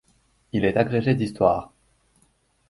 Il est agrégé d'histoire.